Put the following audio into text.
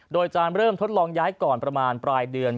โดยจะเริ่มทดลองย้ายก่อนประมาณปลายเดือน